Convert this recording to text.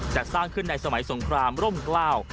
จัดสร้างขึ้นในสมัยสงครามร่มกล้า